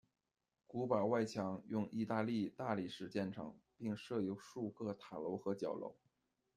古堡外墙用意大利大理石建成，并设有数个塔楼和角楼。